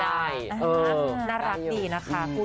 น่ารักดีนะคะ